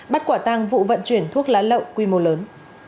bắt quả tăng vụ vận chuyển thuốc lá lậu quy mô lớn